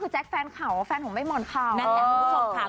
แจ๊คแฟนเข่าว่าแฟนผมไม่หม่นเข้า